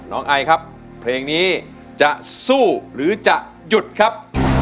ไอครับเพลงนี้จะสู้หรือจะหยุดครับ